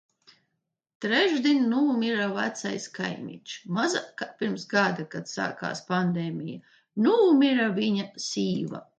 Trešdien nomira vecais kaimiņš. Mazāk kā pirms gada, kad sākās pandēmija, nomira viņa sieva.